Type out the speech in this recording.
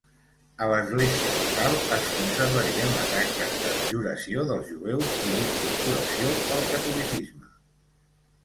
A l'Església local es conservarien les actes d'abjuració dels jueus i d'incorporació al catolicisme.